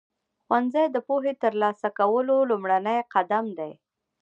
ښوونځی د پوهې ترلاسه کولو لومړنی قدم دی.